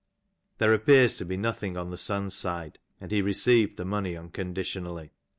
''' There appears to be nothing on the son's side, and he received the money unconditionally.